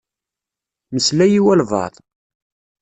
Meslay i walebɛaḍ.